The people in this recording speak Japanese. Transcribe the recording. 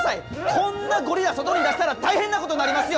こんなゴリラ外に出したら大変なことになりますよ！